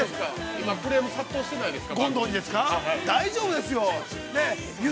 ◆今クレーム殺到してないですか。